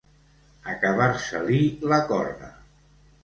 Acabar-se-li la corda.